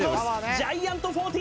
ジャイアント１４